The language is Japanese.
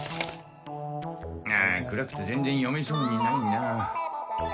あ暗くてぜんぜん読めそうにないな。